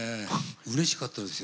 うれしかったです